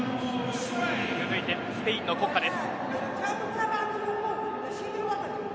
続いて、スペインの国歌です。